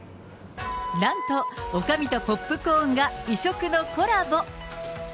なんと、おかみとポップコーンが異色のコラボ。